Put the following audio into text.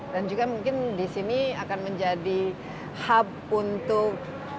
dan juga mungkin di sini akan menjadi hub untuk